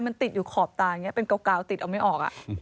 มันติดอยู่ขอบตาอย่างนี้เป็นกาวติดเอาไม่ออก